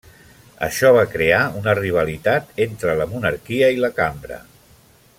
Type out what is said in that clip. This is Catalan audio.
Això va crear una rivalitat entre la monarquia i la Cambra.